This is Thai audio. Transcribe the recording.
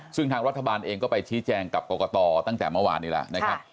ซึ่งทางรัฐบาลเองก็ไปชี้แจงกับกรกตตั้งแต่เมื่อวานนี้แล้วนะครับ